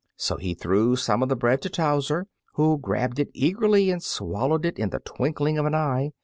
So he threw some of the bread to Towser, who grabbed it eagerly and swallowed it in the twinkling of an eye.